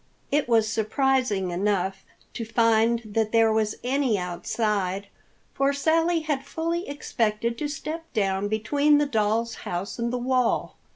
IT was surprising enough to find that there was any outside, for Sally had fully expected to step down between the doll's house and the wall.